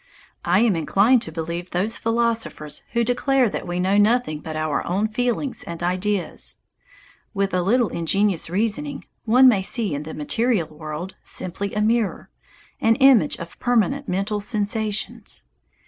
I am inclined to believe those philosophers who declare that we know nothing but our own feelings and ideas. With a little ingenious reasoning one may see in the material world simply a mirror, an image of permanent mental sensations.